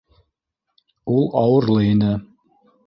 Ул ауырлы ине.